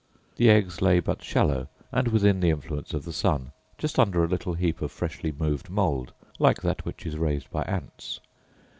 The eggs lay but shallow, and within the influence of the sun, just under a little heap of fresh moved mould, like that which is raised by ants.